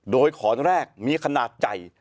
โดยขอนแรกมีขนาดใหญ่